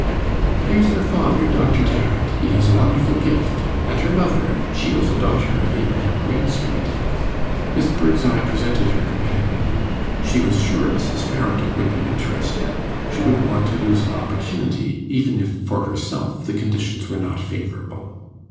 "Here's her father, Doctor Tarrant he has a wonderful gift and her mother she was a daughter of Abraham Greenstreet." Miss Birdseye presented her companion; she was sure Mrs. Farrinder would be interested; she wouldn't want to lose an opportunity, even if for herself the conditions were not favourable.